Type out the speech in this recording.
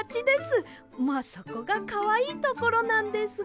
まあそこがかわいいところなんですが。